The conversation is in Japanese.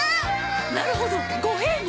なるほど五平餅。